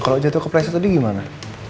kalau jatuh kepleset tadi gimana